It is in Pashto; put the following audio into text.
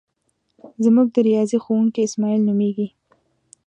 زمونږ د ریاضی ښوونکی اسماعیل نومیږي.